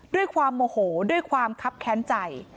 ด้วยความโมโหด้วยความคับแค้นใจ